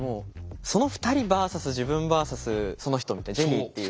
その２人ｖｓ．自分ｖｓ．その人みたいなジェニーっていう。